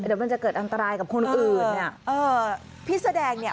เดี๋ยวมันจะเกิดอันตรายกับคนอื่นเนี่ยเออพี่แสดงเนี่ย